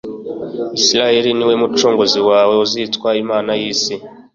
Isirayeli ni we Mucunguzi wawe Azitwa Imana y isi